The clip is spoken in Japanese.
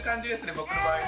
僕の場合。